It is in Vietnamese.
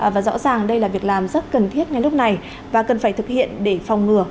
và rõ ràng đây là việc làm rất cần thiết ngay lúc này và cần phải thực hiện để phòng ngừa